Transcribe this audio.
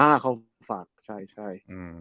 อ่าเข้าฝักใช่